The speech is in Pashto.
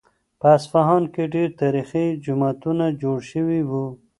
په اصفهان کې ډېر تاریخي جوماتونه جوړ شوي وو.